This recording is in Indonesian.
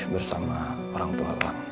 bersama orang tua lo